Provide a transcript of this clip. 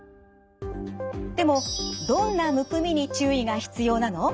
でもどんなむくみに注意が必要なの？